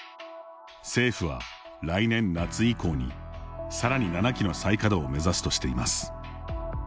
政府は来年夏以降にさらに７基の再稼働を目指すとしています。